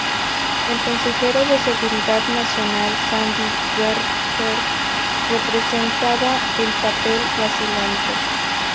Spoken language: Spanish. El consejero de Seguridad Nacional Sandy Berger representaba el papel vacilante.